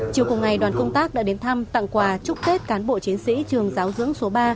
chiều cùng ngày đoàn công tác đã đến thăm tặng quà chúc tết cán bộ chiến sĩ trường giáo dưỡng số ba